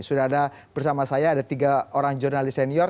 sudah ada bersama saya ada tiga orang jurnalis senior